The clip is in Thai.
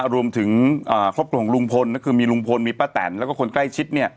รวมถึงครอบครัวของลุงพลก็คือมีลุงพลมีป้าแตนแล้วก็คนใกล้ชิด